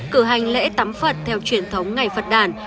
cử hành lễ tắm phật theo truyền thống ngày phật đàn